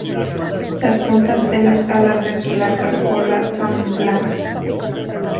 Las puntas de las alas de su larga cola son blancas.